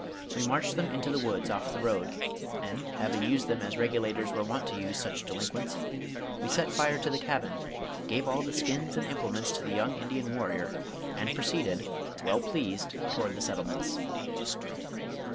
We marched them into the woods off the road, and having used them as Regulators were wont to use such delinquents, we set fire to the cabin, gave all the skins and implements to the young Indian warrior, and proceeded, well pleased, towards the settlements.